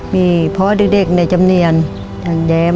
มีพ่อเด็กในจำเนียนนางแย้ม